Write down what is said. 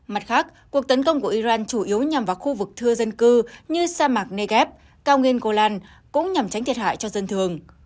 mặt khác cuộc tấn công của iran chủ yếu nhằm vào khu vực thưa dân cư như sa mạc negev cao nguyên golan cũng nhằm tránh thiệt hại cho dân thường